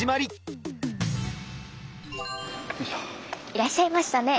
いらっしゃいましたね。